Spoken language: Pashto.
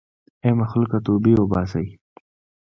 ای مخلوقه توبې وباسئ.